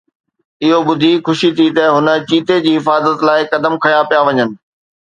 اهو ٻڌي خوشي ٿي ته هن چيتي جي حفاظت لاءِ قدم کنيا پيا وڃن